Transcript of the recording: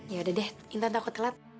ya udah deh intan takut telat